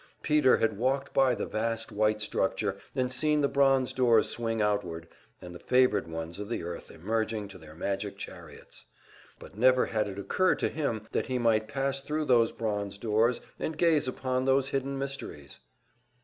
Peter had walked by the vast white structure, and seen the bronze doors swing outward, and the favored ones of the earth emerging to their magic chariots; but never had it occurred to him that he might pass thru those bronze doors, and gaze upon those hidden mysteries!